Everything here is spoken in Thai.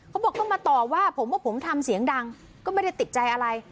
เขาบอกต้องมาต่อว่าผมว่าผมทำเสียงดังก็ไม่ได้ติดใจอะไร